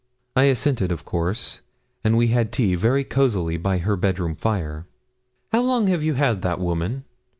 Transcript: I assented, of course, and we had tea very cosily by her bedroom fire. 'How long have you had that woman?'